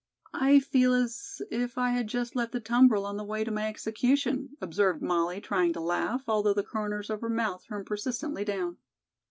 "I feel as if I had just left the tumbrel on the way to my execution," observed Molly, trying to laugh, although the corners of her mouth turned persistently down.